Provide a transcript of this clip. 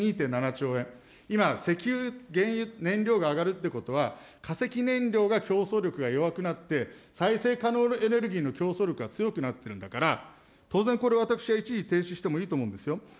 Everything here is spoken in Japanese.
２．７兆円、今、石油原油燃料が上がるってことは、化石燃料が競争力が弱くなって、再生可能エネルギーの競争力が強くなってるんだから、当然、これは私は一時停止してもいいと思うんですよ。